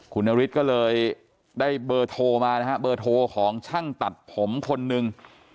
คุณนฤทธิ์ก็เลยได้เบอร์โทรมานะฮะเบอร์โทรของช่างตัดผมคนหนึ่ง